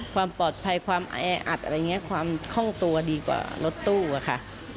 ความปลอดภัยความแออัดอะไรอย่างนี้ความคล่องตัวดีกว่ารถตู้อะค่ะ